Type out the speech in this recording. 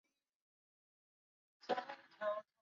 伊斯兰世界香炉形状通常是山猫形状的。